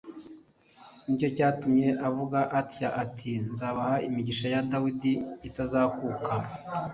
ni cyo cyatumye avuga atya ati, ‘Nzabaha imigisha ya Dawidi itazakuka.